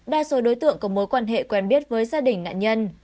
đa số đối tượng có mối quan hệ quen biết với gia đình nạn nhân